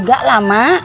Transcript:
enggak lah mak